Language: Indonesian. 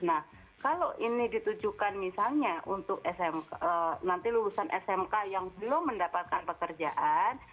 nah kalau ini ditujukan misalnya untuk smk nanti lulusan smk yang belum mendapatkan pekerjaan